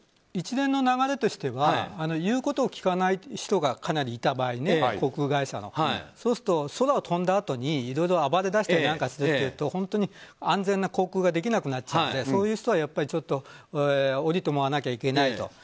一連の流れとしては言うことを聞かない人がかなりいた場合、航空会社はそうすると、空を飛んだあとにいろいろ暴れだしたりすると本当に安全な航空ができなくなっちゃってそういう人は降りてもらわなきゃいけないと。